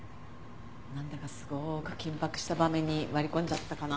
なんだかすごく緊迫した場面に割り込んじゃったかな？